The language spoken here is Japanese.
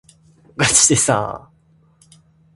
がちでさ